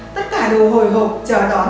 tất cả đều hồi hộp chờ đón